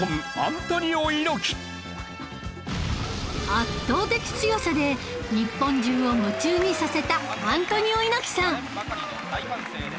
圧倒的強さで日本中を夢中にさせたアントニオ猪木さん